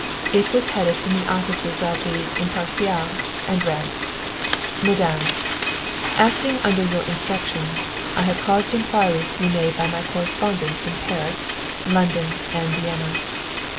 It was headed from the offices of The Imparcial, and read "MADAM, "_Acting under your instructions, I have caused inquiries to be made by my correspondents in Paris, London and Vienna.